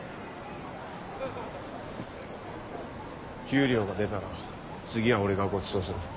給料が出たら次は俺がごちそうする。